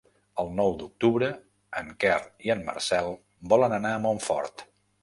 El nou d'octubre en Quer i en Marcel volen anar a Montfort.